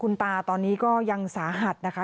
คุณตาตอนนี้ก็ยังสาหัสนะคะ